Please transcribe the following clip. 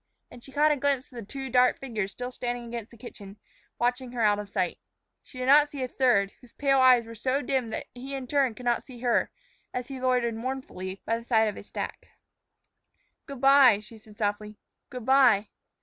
And she caught a glimpse of the two dark figures still standing against the kitchen, watching her out of sight. She did not see a third, whose pale eyes were so dim that he in turn could not see her as he loitered mournfully by the side of a stack. "Good by," she said softly; "good by."